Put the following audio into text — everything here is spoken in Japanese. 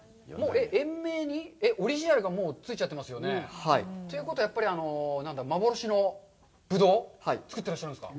園名にオリジナルがついちゃってますよね。ということは、やっぱり、幻のぶどうを作ってらっしゃるんですか。